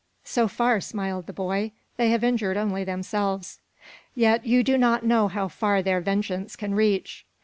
"So far," smiled the boy, "they have injured only themselves." "Yet you do not know how far their vengeance can reach."